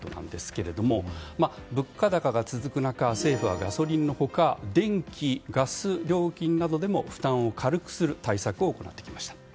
物価高が続く中、政府はガソリンの他電気・ガス料金などでも負担を軽くする対策を行ってきました。